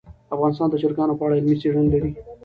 افغانستان د چرګانو په اړه علمي څېړني لري.